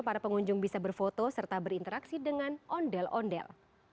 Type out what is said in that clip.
para pengunjung bisa berfoto serta berinteraksi dengan ondel ondel